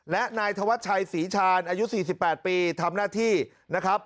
และนายธวัชชัยศรีชาญอายุ๔๘ปีทำหน้าที่นะครับ